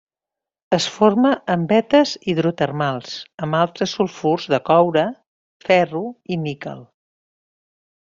Es forma en vetes hidrotermals amb altres sulfurs de coure, ferro i níquel.